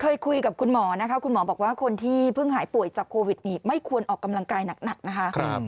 คุยกับคุณหมอนะคะคุณหมอบอกว่าคนที่เพิ่งหายป่วยจากโควิดนี่ไม่ควรออกกำลังกายหนักนะคะ